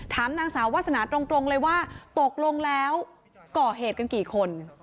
ถามนางสาววาสนาตรงเลยว่าตกลงแล้วก่อเหตุกันกี่คน